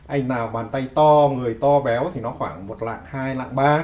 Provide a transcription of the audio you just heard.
anh nào bàn tay to người to béo thì nó khoảng một lạng hai lạng ba